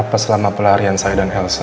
apa selama pelarian saya dan elsa